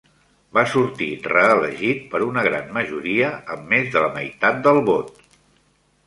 Va sortir reelegit per una gran majoria, amb més de la meitat del vot.